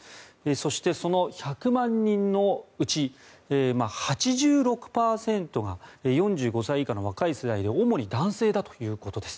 そして、その１００万人のうち８６％が４５歳以下の若い世代で主に男性だということです。